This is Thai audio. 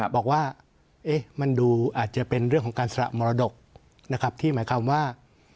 บอกว่ามันดูอาจจะเป็นเรื่องของการสละมรดกนะครับที่หมายความว่า